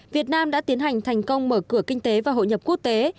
việt nam đã tiến hành thành công mở cửa kinh tế và hội nhập quốc tế